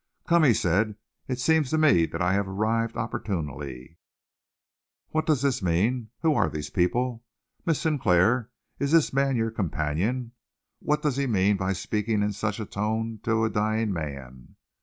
"Come," he said, "it seems to me that I have arrived opportunely. What does this mean? Who are these people? Miss Sinclair, is this man your companion? What does he mean by speaking in such a tone to a dying man?"